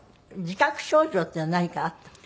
自覚症状っていうのは何かあったの？